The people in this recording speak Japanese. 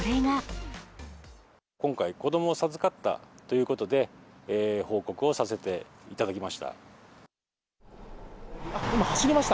今回、子どもを授かったということで、報告をさせていただきました。